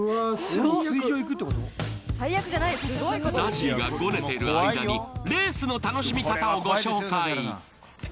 ＺＡＺＹがごねてる間にレースの楽しみ方をご紹介。